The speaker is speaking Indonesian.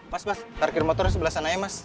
mas mas parkir motor sebelah sana ya mas